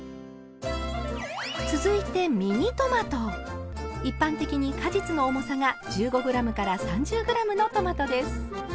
続いて一般的に果実の重さが１５ｇから３０ｇのトマトです。